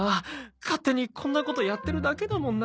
勝手にこんなことやってるだけだもんな。